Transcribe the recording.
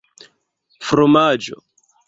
fromaĝo